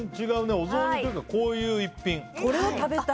お雑煮というか、こういう一品。